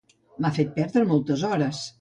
M'ha fet perdre moltes hores